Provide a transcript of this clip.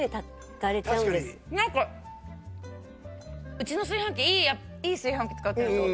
うちの炊飯器いい炊飯器使ってるんですよ。